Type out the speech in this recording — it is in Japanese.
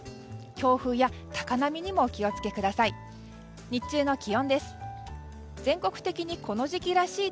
強風や高波にもお気を付けください。